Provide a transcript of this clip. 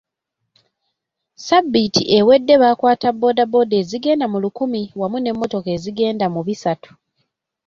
Ssabbiiti ewedde baakwata boda boda ezigenda mu lukumi wamu ne motoka ezigenda mu bisatu.